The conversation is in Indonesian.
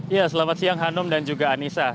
ya selamat siang hanum dan juga anissa